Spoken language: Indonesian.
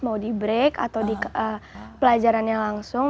mau di break atau di pelajarannya langsung